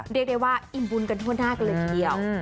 เรียกได้ว่าอิ่มบุญกันทั่วหน้ากันเลยทีเดียว